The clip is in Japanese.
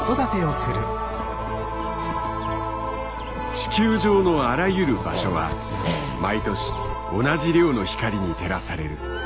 地球上のあらゆる場所は毎年同じ量の光に照らされる。